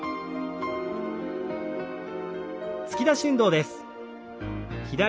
突き出し運動です。